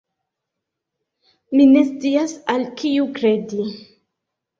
Ni ne scias, al kiu kredi.